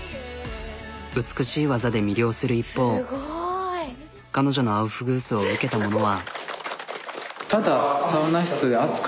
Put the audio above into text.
美しい技で魅了する一方彼女のアウフグースを受けた者は。